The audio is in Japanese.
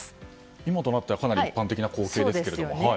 今となっては一般的な光景ですけどね。